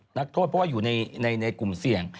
เพราะว่าอยู่ในกลุ่มเสี่ยง